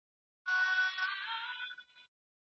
ایا د کوڅې شمال نن ډېر تېز دی؟